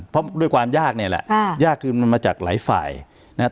เพราะด้วยความยากเนี่ยแหละยากคือมันมาจากหลายฝ่ายนะครับ